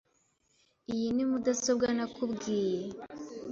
Iyi ni mudasobwa nakubwiye .